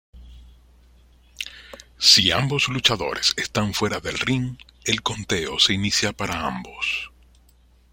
Si ambos luchadores están fuera del ring, el conteo se inicia para ambos.